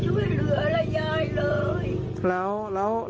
รถตู้มันชนมันไม่ช่วยเหลืออะไรยายเลย